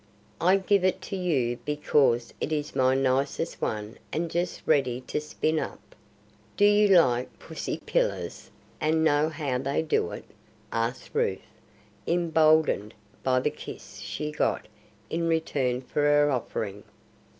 "I give it to you because it is my nicest one and just ready to spin up. Do you like pussy pillars, and know how they do it?" asked Ruth, emboldened by the kiss she got in return for her offering.